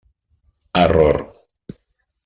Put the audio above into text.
Error.